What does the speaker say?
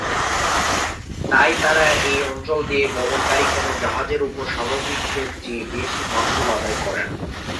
তাই তারা এই অঞ্চল দিয়ে গমনকারী কোন জাহাজের উপর স্বাভাবিকের চেয়ে বেশি মাশুল আদায় করে না।